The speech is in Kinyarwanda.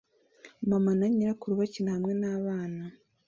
Mama na nyirakuru bakina hamwe nabana